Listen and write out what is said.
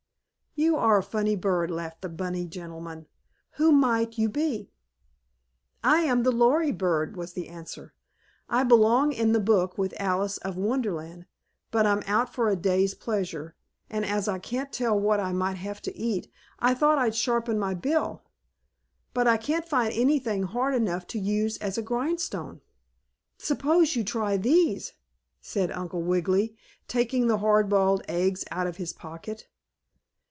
"You are a funny bird," laughed the bunny gentleman. "Who might you be?" "I am the Lory bird," was the answer. "I belong in the book with Alice of Wonderland, but I'm out for a day's pleasure, and, as I can't tell what I might have to eat, I thought I'd sharpen my bill. But I can't find anything hard enough to use as a grindstone." "Suppose you try these," said Uncle Wiggily, taking the hard boiled eggs out of his pocket.